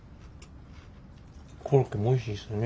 コロッケもおいしいですね。